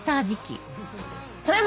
ただいま！